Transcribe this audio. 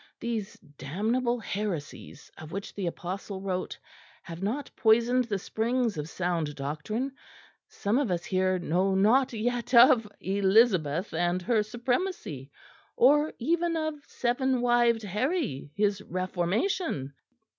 These damnable heresies of which the apostle wrote have not poisoned the springs of sound doctrine; some of us here know naught yet of Elizabeth and her supremacy, or even of seven wived Harry his reformation.